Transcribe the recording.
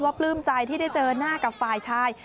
ปลื้มใจที่ได้เจอหน้ากับฝ่ายชาย